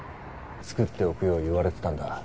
作っておくよう言われてたんだ。